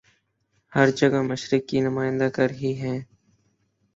ہر جگہ مشرق کی نمائندہ کرہی ہیں